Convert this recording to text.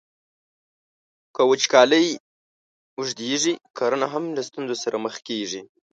که وچکالۍ اوږدیږي، کرنه هم له ستونزو سره مخ کیږي.